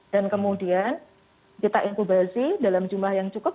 dan kemudian kita inkubasi dalam jumlah yang cukup